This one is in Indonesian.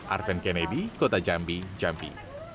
arven kennedy kota jambi jambi